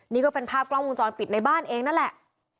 นี่ก็เป็นภาพกล้องวงจรปิดในบ้านเองนั่นแหละ